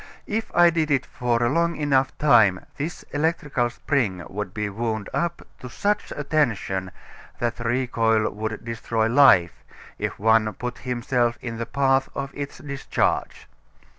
If I did it for a long enough time this electrical spring would be wound up to such a tension that the recoil would destroy life if one put himself in the path of its discharge.